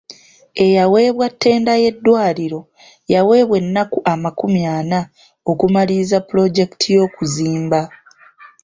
Eyaweebwa ttenda y'eddwaliro yaweebwa ennaku amakumi ana okumaliriza pulojekiti y'okuzimba.